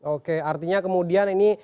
oke artinya kemudian ini